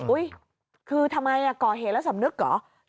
คือทำไมก่อเหตุแล้วสำนึกเหรอ